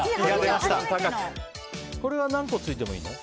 これは何個ついてもいいの？